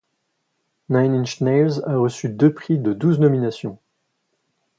Nine Inch Nails a reçu deux prix de douze nominations.